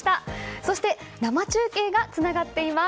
そして生中継がつながっています。